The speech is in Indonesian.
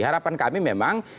harapan kami memang